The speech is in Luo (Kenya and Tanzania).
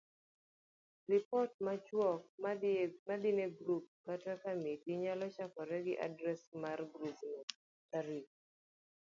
Ripot machuok madhi ne grup kata komiti nyalo chakore gi adres mar grubno, tarik